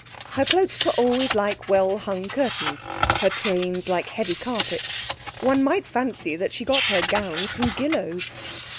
Her cloaks were always like well hung curtains, her trains like heavy carpets; one might fancy that she got her gowns from Gillows.